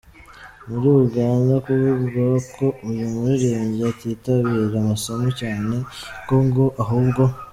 muri Uganda kivuga ko uyu muririmbyi atitabira amasomo cyane ko ngo ahubwo.